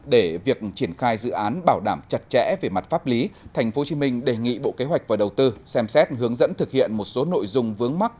để việc triển khai dự án bảo đảm chặt chẽ về mặt pháp lý tp hcm đề nghị bộ kế hoạch và đầu tư xem xét hướng dẫn thực hiện một số nội dung vướng mắt